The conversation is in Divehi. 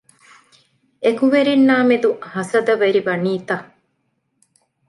އެކުވެރިންނާ މެދު ހަސަދަވެރި ވަނީތަ؟